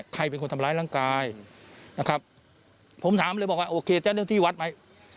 ใครเป็นคนทำร้ายร่างกายนะครับผมถามเลยบอกว่าโอเคเจ้าหน้าที่วัดไหม